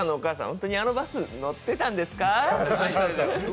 本当にあのバス、乗ってたんですか？